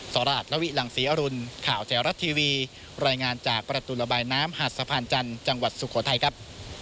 สวัสดีครับสวัสดีครับ